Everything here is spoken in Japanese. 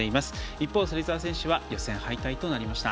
一方、芹澤選手は予選敗退となりました。